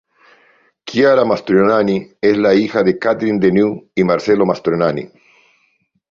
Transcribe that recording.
Chiara Mastroianni es la hija de Catherine Deneuve y Marcello Mastroianni.